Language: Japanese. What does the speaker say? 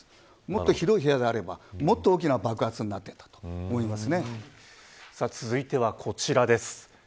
もっと広い部屋であればもっと大きな爆発になっていたと続いてはこちらです。